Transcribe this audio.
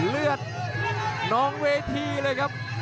เลือดน้องเวทีเลยครับ